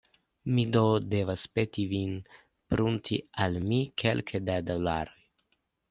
Mi do devas peti vin prunti al mi kelke da dolaroj.